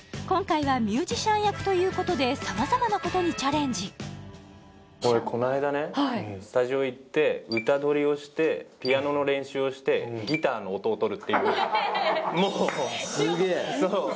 今回はミュージシャン役ということで様々なことにチャレンジ俺こないだねスタジオ行って歌録りをしてピアノの練習をしてギターの音を録るっていう